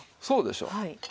そうでしょう。